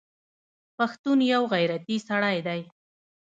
پښتون یوغیرتي سړی دی